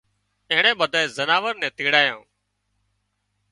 اينڻيئي ٻڌانئي زناوران نين تيڙايان